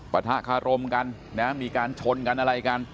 ปะทะคารมกันนะมีการชนกันอะไรกัน